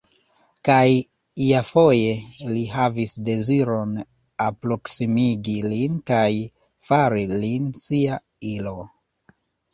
Kaj iafoje li havis deziron alproksimigi lin kaj fari lin sia ilo.